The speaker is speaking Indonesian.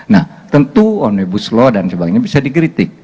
nah tentu omnibus law dan sebagainya bisa dikritik